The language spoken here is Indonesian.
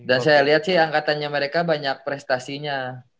akhirnya sih angkatannya mereka banyak prestasinya